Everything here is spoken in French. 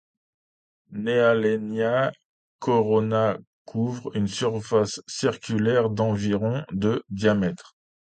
Nehalennia Corona couvre une surface circulaire d'environ de diamètre.